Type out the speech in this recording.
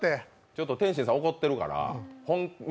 ちょっと天心さん怒ってるから。